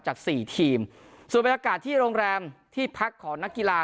จากสี่ทีมส่วนบรรยากาศที่โรงแรมที่พักของนักกีฬา